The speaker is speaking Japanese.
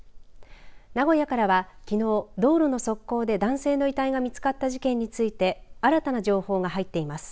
名古屋からはきのう道路の側溝で男性の遺体が見つかった事件について新たな情報が入っています。